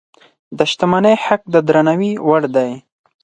د شتمنۍ حق د درناوي وړ دی.